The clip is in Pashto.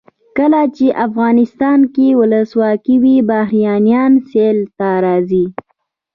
کله چې افغانستان کې ولسواکي وي بهرنیان سیل ته راځي.